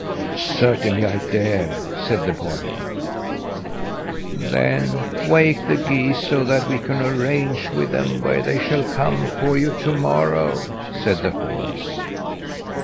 "Certainly I dare!" said the boy. "Then wake the geese, so that we can arrange with them where they shall come for you to morrow," said the horse.